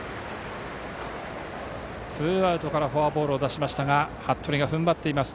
ツーアウトからフォアボールを出しましたが服部が踏ん張っています。